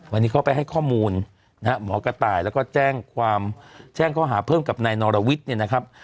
วันนี้เขาไปให้ข้อมูลนะฮะหมอกระต่ายแล้วก็แจ้งความแจ้งข้อหาเพิ่มกับนายนรวิทย์เนี่ยนะครับ